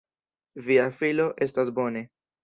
Via filo estas bone.